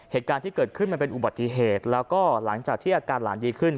เหตุการณ์ที่เกิดขึ้นมันเป็นอุบัติเหตุแล้วก็หลังจากที่อาการหลานดีขึ้น